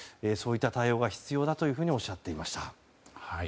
そういった対応が必要だとおっしゃっていました。